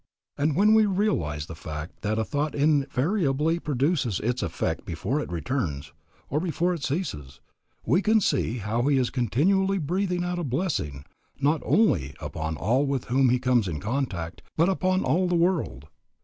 And when we realize the fact that a thought invariably produces its effect before it returns, or before it ceases, we can see how he is continually breathing out a blessing not only upon all with whom he comes in contact, but upon all the world.